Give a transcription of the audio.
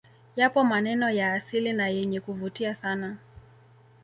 Yapo maneno ya asili na yenye kuvutia sana